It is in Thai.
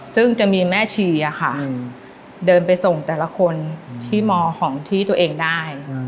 ซึ่งจะมีแม่ชีค่ะเดินไปส่งแต่ละคนที่มของที่ตัวเองได้